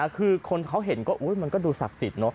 คือคนเขาเห็นก็มันก็ดูศักดิ์สิทธิ